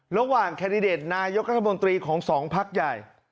ระหว่างแคดดิเดตนายกราชบนตรีของ๒พักใหญ่